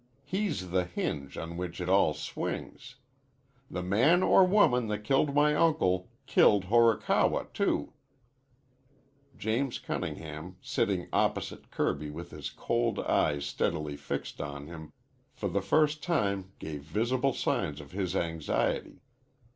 He's the hinge on which it all swings. The man or woman that killed my uncle killed Horikawa too." James Cunningham, sitting opposite Kirby with his cold eyes steadily fixed on him, for the first time gave visible sign of his anxiety.